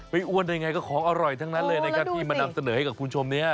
ไม่อ้วนได้ไงก็ของอร่อยทั้งนั้นเลยในการที่มาดับเสนอให้กับคุณชมเนี่ย